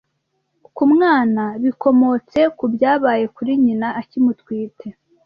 ku mwana bikomotse ku byabaye kuri nyina akimutwite